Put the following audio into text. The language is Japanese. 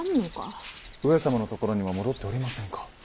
上様のところにも戻っておりませんか？